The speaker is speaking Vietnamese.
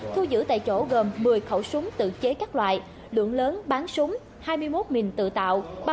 thu giữ tại chỗ gồm một mươi khẩu súng tự chế các loại lượng lớn bán súng hai mươi một bình tự tạo